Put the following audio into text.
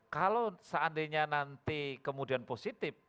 kalau seandainya nanti kemudian positif